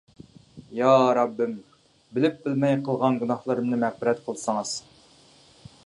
يا رەببىم، بىلىپ-بىلمەي قىلغان گۇناھلىرىمنى مەغپىرەت قىلسىڭىز.